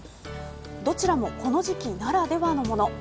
どちらもこの時期ならではのもの。